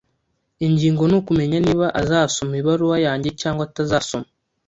Ingingo ni ukumenya niba azasoma ibaruwa yanjye cyangwa atazasoma